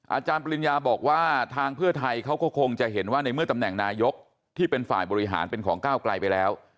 อาจารย์ปริญญาบอกว่าทางเพื่อไทยเขาก็คงจะเห็นว่าในเมื่อตำแหน่งนายกที่เป็นฝ่ายบริหารเป็นของก้าวไกลไปแล้ว